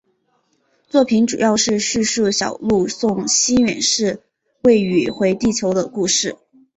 作品主要是在叙述小路送西远寺未宇回地球的故事。